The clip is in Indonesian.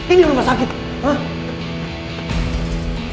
ini rumah sakit loh